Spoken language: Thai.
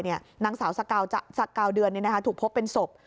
นางสาวสกาวเดือนถูกพบเป็นศพ